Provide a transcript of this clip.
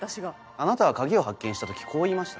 あなたは鍵を発見した時こう言いました。